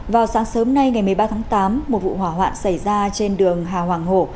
vào sáng sớm nay ngày một mươi ba tháng tám một vụ hỏa hoạn xảy ra trên đường hà hoàng hổ